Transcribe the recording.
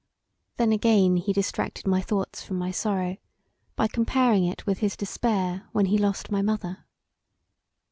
Then again he distracted my thoughts from my sorrow by comparing it with his despair when he lost my mother.